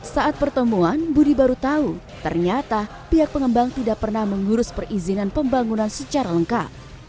saat pertemuan budi baru tahu ternyata pihak pengembang tidak pernah mengurus perizinan pembangunan secara lengkap